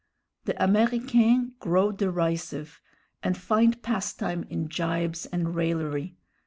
The Américains grow derisive and find pastime in gibes and raillery.